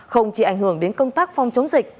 không chỉ ảnh hưởng đến công tác phòng chống dịch